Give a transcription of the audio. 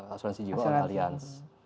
asuransi juga allianz